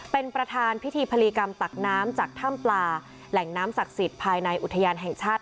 เป็นประธานพิธีพลีกรรมตักน้ำจากถ้ำปลาแหล่งน้ำศักดิ์สิทธิ์ภายในอุทยานแห่งชาติ